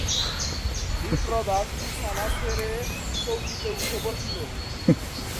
বিপ্রদাস বিছানা ছেড়ে চৌকিতে উঠে বসল।